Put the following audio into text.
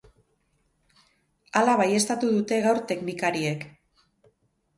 Hala baieztatu dute gaur teknikariek.